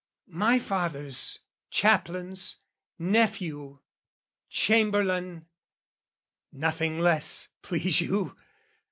My father's chaplain's nephew, Chamberlain, Nothing less, please you!